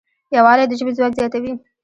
یووالی د ژبې ځواک زیاتوي.